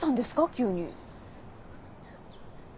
急に。